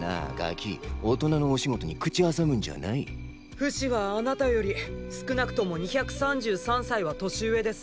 フシはあなたより少なくとも２３３歳は年上です。